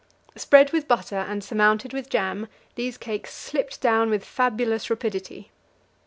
Spread with butter and surmounted with jam, these cakes slipped down with fabulous rapidity.